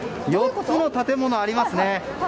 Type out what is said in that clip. ４つの建物がありますね。